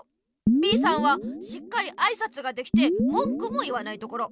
Ｂさんはしっかりあいさつができてもんくも言わないところ。